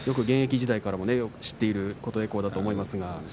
現役時代から、よく知っている琴恵光だと思います。